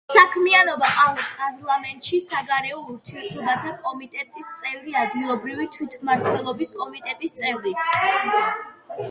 საქმიანობა პარლამენტში: საგარეო ურთიერთობათა კომიტეტის წევრი; ადგილობრივი თვითმმართველობის კომიტეტის წევრი.